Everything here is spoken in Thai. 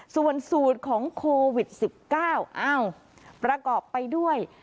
ส่วนสูตรของโควิด๑๙ประกอบไปด้วย